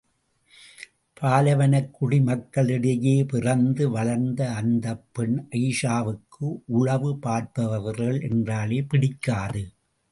பாலைவனக் குடிமக்களிடையே பிறந்து வளர்ந்த அந்தப் பெண் அயீஷாவுக்கு, உளவு பார்ப்பவர்கள் என்றாலே பிடிக்காது.